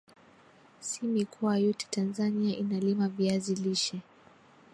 Si mikoa yote Tanzania inalima VIazi lishe